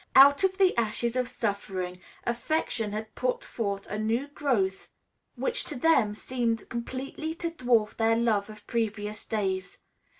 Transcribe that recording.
Out of the ashes of suffering, affection had put forth a new growth which to them seemed completely to dwarf their love of previous days.